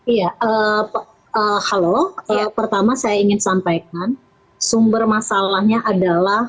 iya halo pertama saya ingin sampaikan sumber masalahnya adalah